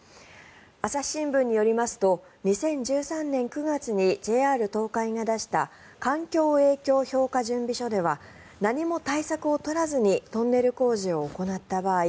朝日新聞によりますと２０１３年９月にＪＲ東海が出した環境影響評価準備書では何も対策を取らずにトンネル工事を行った場合